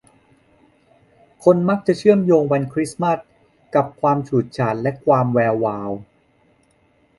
คนมักจะเชื่อมโยงวันคริสมาสต์กับความฉูดฉาดและความแวววาว